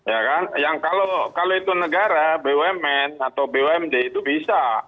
ya kan yang kalau itu negara bumn atau bumd itu bisa